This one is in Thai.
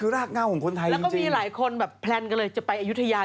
แล้วก็มีหลายคนแบบแปลนกันเลยจะไปอายุทยา